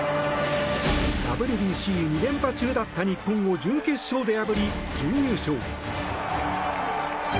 ＷＢＣ２連覇中だった日本を準決勝で破り準優勝。